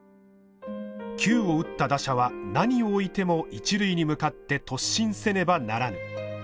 「球を打った打者は何をおいても一塁に向かって突進せねばならぬ」。